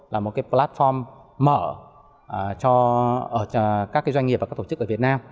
là một cái platform mở cho các doanh nghiệp và các tổ chức ở việt nam